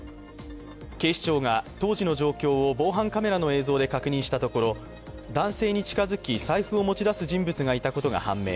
警視庁が当時の状況を防犯カメラで確認したところ男性に近づき、財布を持ち出す人物がいたことが判明。